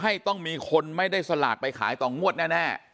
ต้องมีคนไม่ได้สลากไปขายต่องวดแน่